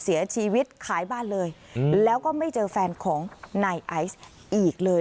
เสียชีวิตขายบ้านเลยแล้วก็ไม่เจอแฟนของนายไอซ์อีกเลย